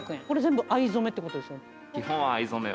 これ全部藍染めってことですよね。